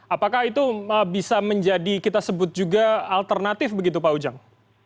apakah itu bisa menjadi kita sebut juga alternatif begitu pak ujang